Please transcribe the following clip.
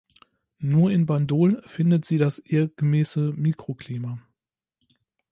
Nur in Bandol findet sie das ihr gemäße Mikroklima.